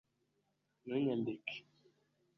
ntunyambike